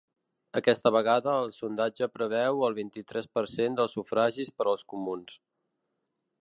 Aquesta vegada, el sondatge preveu el vint-i-tres per cent dels sufragis per als comuns.